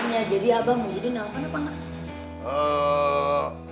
ya jadi abah mau jadi namanya pak